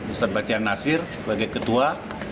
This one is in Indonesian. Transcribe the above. ustaz batian nasir sebagai ketua